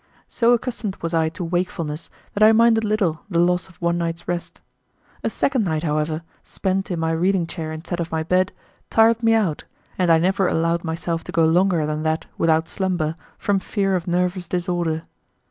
So accustomed was I to wakefulness that I minded little the loss of one night's rest. A second night, however, spent in my reading chair instead of my bed, tired me out, and I never allowed myself to go longer than that without slumber, from fear of nervous disorder.